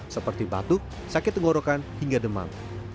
seperti batuk sakit tenggorokan hingga demam